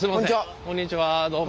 こんにちはどうも。